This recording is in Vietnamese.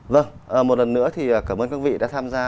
vâng một lần nữa thì cảm ơn các vị đã tham gia